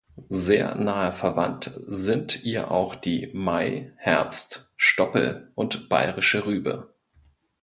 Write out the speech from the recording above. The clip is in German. Sehr nahe verwandt sind ihr auch die Mai-, Herbst-, Stoppel- und Bayerische Rübe.